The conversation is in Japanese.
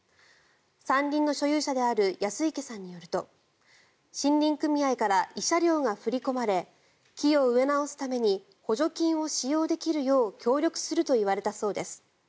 山林の所有者による安池さんによると森林組合から慰謝料が振り込まれ木を植え直すために補助金を使用できるよう協力すると言われたそうです。